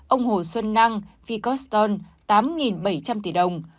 ông hồ xuân năng v coston tám bảy trăm linh tỷ đồng